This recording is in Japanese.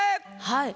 はい。